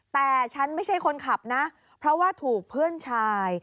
แต่ฉันไม่ใช่คนขับนะเพราะว่าถูกเพื่อนชาย